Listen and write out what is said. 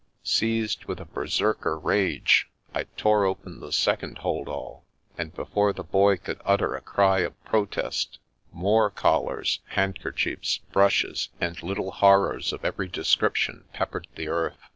Seized with a Berserker rage, I tore open the second hold all, and before the Boy could utter a cry of protest, more collars, hand kerchiefs, brushes, and little horrors of every de scription peppered the earth.